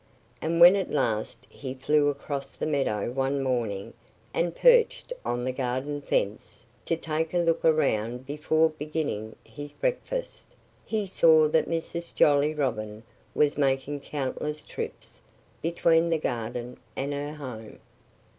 And when at last he flew across the meadow one morning and perched on the garden fence, to take a look around before beginning his breakfast, he saw that Mrs. Jolly Robin was making countless trips between the garden and her home.